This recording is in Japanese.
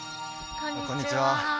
こんにちは。